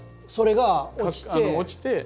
それが落ちて。